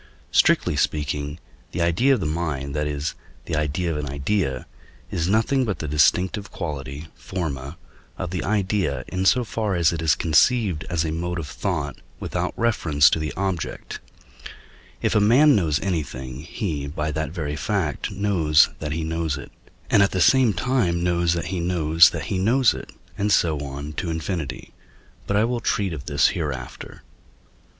Strictly speaking, the idea of the mind, that is, the idea of an idea, is nothing but the distinctive quality (forma) of the idea in so far as it is conceived as a mode of thought without reference to the object; if a man knows anything, he, by that very fact, knows that he knows it, and at the same time knows that he knows that he knows it, and so on to infinity. But I will treat of this hereafter.